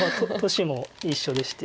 年も一緒でして。